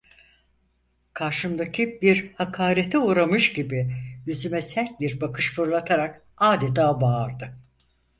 Karşımdaki, bir hakarete uğramış gibi yüzüme sert bir bakış fırlatarak adeta bağırdı: